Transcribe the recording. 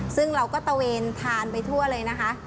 ซึ่งเราก็ตะเวนทานไปทั่วเลยนะคะ